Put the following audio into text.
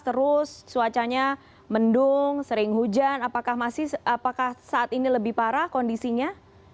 terus cuacanya mendung sering hujan apakah saat ini lebih parah kondisinya